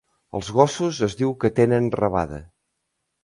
Els gossos es diu que tenen rabada.